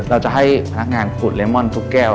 เราจะให้พนักงานขุดเรมอนทุกแก้ว